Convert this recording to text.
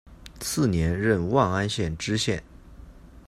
次年任万安县知县。